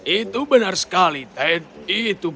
itu benar sekali ted itu benar